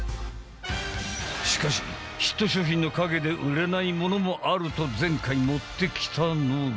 しかしヒット商品の陰で売れないものもあると前回持ってきたのが。